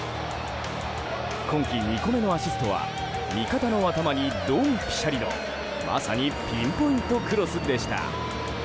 今季２個目のアシストは味方の頭にドンピシャリのまさにピンポイントクロスでした。